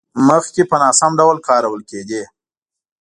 مخکې په ناسم ډول کارول کېدې.